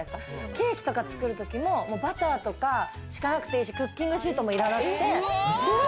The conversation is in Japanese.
ケーキとか作るときも、バターとか敷かなくていいし、クッキングシートもいらなくて。